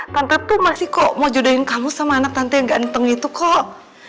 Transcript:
tante tuh masih kok mau jodohin kamu sama anak tante yang ganteng itu kok